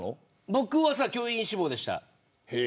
僕は教員志望でした。